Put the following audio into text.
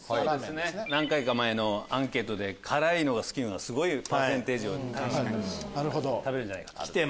何回か前のアンケートで「辛いのが好き」がパーセンテージ高かったし食べるんじゃないかと。